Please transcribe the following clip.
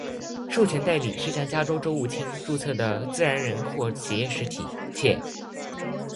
授权代理是向加州州务卿注册的自然人或企业实体；且